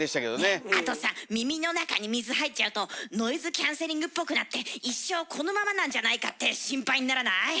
あとさ耳の中に水入っちゃうとノイズキャンセリングっぽくなって一生このままなんじゃないかって心配にならない？